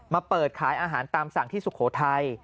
เปิดขายอาหารตามสั่งที่สุโขทัย